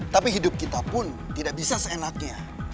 tapi hidup kita pun tidak bisa seenaknya